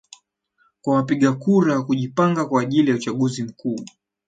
kwa wapiga kura kujipanga kwa ajili ya uchaguzi mkuu